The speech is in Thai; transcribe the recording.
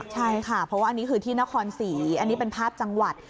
ใช่ค่ะเพราะว่าอันนี้คือที่นครศรีอันนี้เป็นภาพจังหวัด